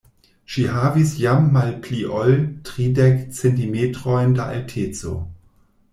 Ŝi havis jam malpli ol tridek centimetrojn da alteco.